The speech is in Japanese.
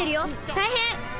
たいへん！